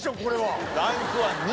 これは！